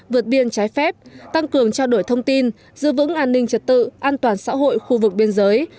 vượt biên trái phép tăng cường trao đổi thông tin giữ vững an ninh trật tự an toàn xã hội khu vực biên giới